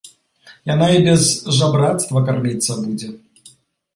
Яна і без жабрацтва карміцца будзе!